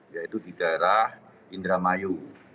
yaitu di daerah indramayu